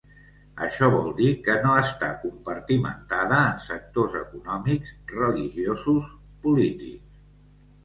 Això vol dir que no està compartimentada en sectors econòmics, religiosos, polítics.